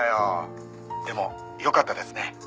「でもよかったですね」